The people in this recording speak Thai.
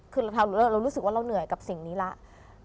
คือเรารู้สึกว่าเราเหนื่อยกับสิ่งนี้แล้ว